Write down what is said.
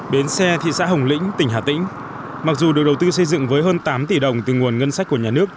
bến xe thị xã hồng lĩnh tỉnh hà tĩnh mặc dù được đầu tư xây dựng với hơn tám tỷ đồng từ nguồn ngân sách của nhà nước